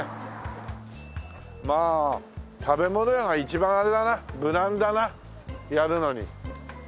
まあ食べ物屋が一番あれだな無難だなやるのに。